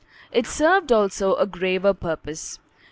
It served also a graver purpose.